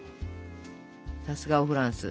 さすがおフランス。